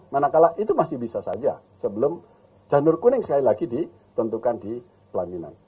manakala itu masih bisa saja sebelum janur kuning sekali lagi ditentukan di pelaminan